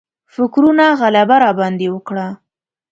فکرونو غلبه راباندې وکړه.